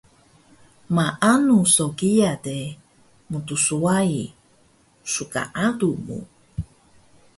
Maanu so kiya de mtswai sgaalu mu